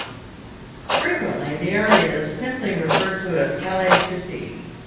Frequently the area is simply referred to as Calle Suecia.